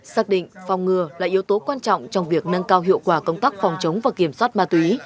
xác định phòng ngừa là yếu tố quan trọng trong việc nâng cao hiệu quả công tác phòng chống và kiểm soát ma túy